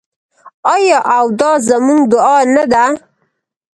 آیا او دا زموږ دعا نه ده؟